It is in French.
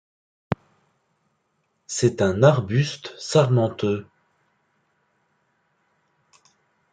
C'est un arbuste sarmenteux.